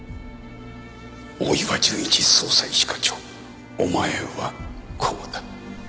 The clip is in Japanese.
大岩純一捜査一課長お前はこうだ。